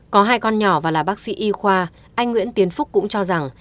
có hai con nhỏ và là bác sĩ y khoa anh nguyễn tiến phúc cũng cho rằng